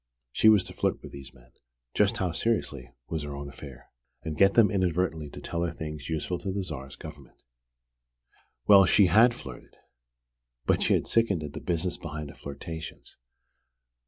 She was to flirt with these men just how seriously, was her own affair! and get them inadvertently to tell her things useful to the Tsar's government. Well, she had flirted! But she had sickened at the business behind the flirtations.